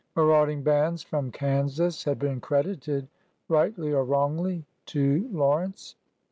Marauding bands from Kansas had been credited, rightly or wrongly, to Lawrence.